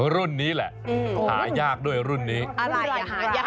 รุ่นนี้แหละหายากด้วยรุ่นนี้อะไรหายาก